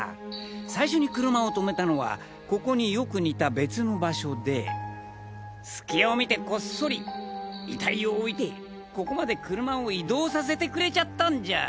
最初に車を停めたのはここによく似た別の場所で隙を見てこっそり遺体を置いてここまで車を移動させてくれちゃったんじゃ。